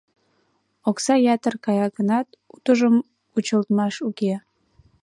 — Окса ятыр кая гынат, утыжым кучылтмаш уке.